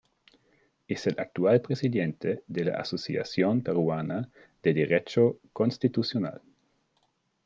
Es el actual Presidente de la Asociación Peruana de Derecho Constitucional.